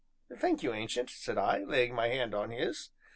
"Thank you, Ancient!" said I, laying my hand on his.